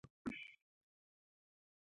د سیاتیک درد لپاره باید څه شی وکاروم؟